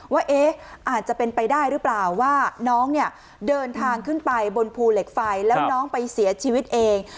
ว่าเอ๊ะอาจจะเป็นไปได้หรือเปล่าว่าน้องเนี่ยเดินทางขึ้นไปบนภูเหล็กไฟแล้วน้องไปเสียชีวิตเอง